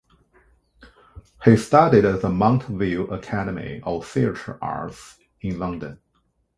He studied at the Mountview Academy of Theatre Arts in London.